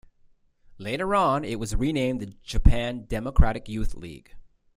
Later on, it was renamed the Japan Democratic Youth League.